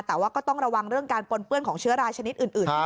แต่ว่าก็ต้องระวังเรื่องการปนเปื้อนของเชื้อรายชนิดอื่นด้วย